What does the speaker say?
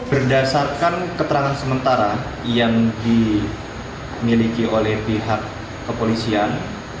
berdasarkan keterangan sementara yang dimiliki oleh pihak kepolisian